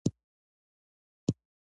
اطاعت په څه کې دی؟